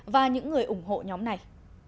và những người ủng hộ nhóm này